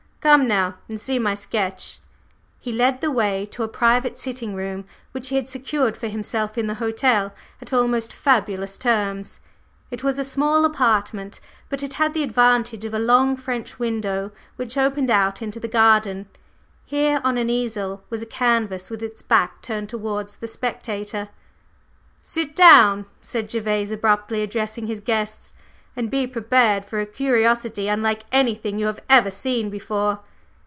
Come now, and see my sketch." He led the way to a private sitting room which he had secured for himself in the hotel at almost fabulous terms. It was a small apartment, but it had the advantage of a long French window which opened out into the garden. Here, on an easel, was a canvas with its back turned towards the spectator. "Sit down," said Gervase abruptly addressing his guests, "and be prepared for a curiosity unlike anything you have ever seen before!"